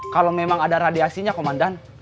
kalau memang ada radiasinya komandan